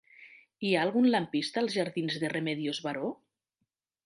Hi ha algun lampista als jardins de Remedios Varó?